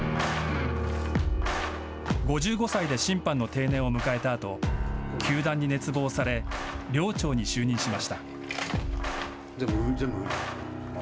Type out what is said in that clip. ５５歳で審判の定年を迎えたあと球団に熱望され寮長に就任しました。